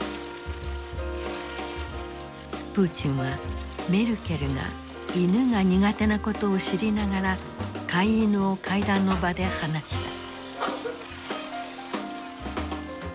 プーチンはメルケルが犬が苦手なことを知りながら飼い犬を会談の場で放した。